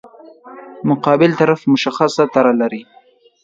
مقابل طرف مشخصه طرح لري.